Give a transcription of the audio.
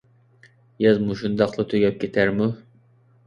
ياز مۇشۇنداقلا تۈگەپ كېتەرمۇ؟